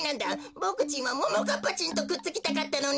ボクちんはももかっぱちんとくっつきたかったのに。